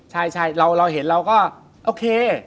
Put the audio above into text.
ใช่เราเห็นเราก็โอเค